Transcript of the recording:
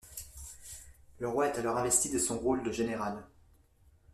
Le roi est alors investi de son rôle de général.